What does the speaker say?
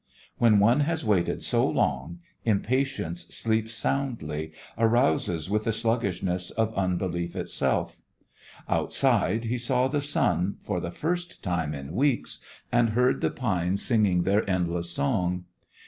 When one has waited so long, impatience sleeps soundly, arouses with the sluggishness of unbelief itself. Outside he saw the sun, for the first time in weeks, and heard the pines singing their endless song.